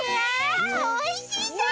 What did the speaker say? おいしそう！